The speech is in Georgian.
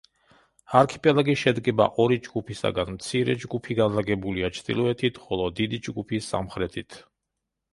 არქიპელაგი შედგება ორი ჯგუფისაგან მცირე ჯგუფი განლაგებულია ჩრდილოეთით, ხოლო დიდი ჯგუფი სამხრეთით.